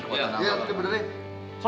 suatu saya cairin lah